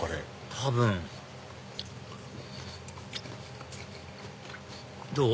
多分どう？